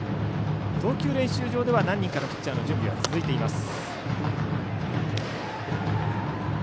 投球練習場では何人かのピッチャーの準備は続いています。